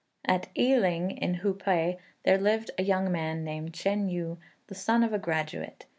At I ling, in Hupei, there lived a young man named Chên Yü, the son of a graduate.